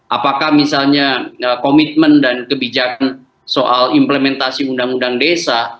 apakah misalnya komitmen dan kebijakan soal implementasi undang undang desa